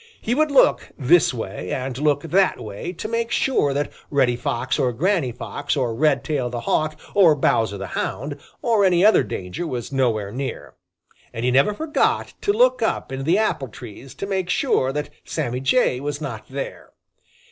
He would look this way and look that way to make sure that Reddy Fox or Granny Fox or Redtail the Hawk or Bowser the Hound or any other danger was nowhere near. And he never forgot to look up in the apple trees to make sure that Sammy Jay was not there.